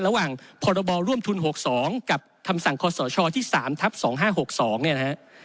ระหว่างพบร่วมทุน๖๒กับทศ๓๒๕๖๒เนี่ยนะฮะ